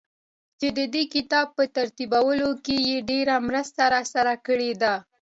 چي ددې کتاب په ترتيبولو کې يې ډېره مرسته راسره کړې ده.